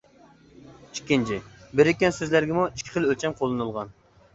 ئىككىنچى، بىرىككەن سۆزلەرگىمۇ ئىككى خىل ئۆلچەم قوللىنىلغان.